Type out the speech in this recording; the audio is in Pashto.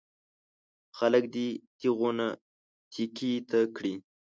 خلک دې تېغونه تېکې ته کړي.